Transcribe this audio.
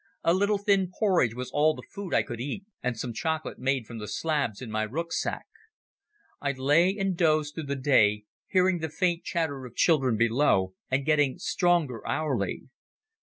A little thin porridge was all the food I could eat, and some chocolate made from the slabs in my rucksack. I lay and dozed through the day, hearing the faint chatter of children below, and getting stronger hourly.